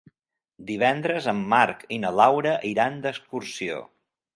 Divendres en Marc i na Laura iran d'excursió.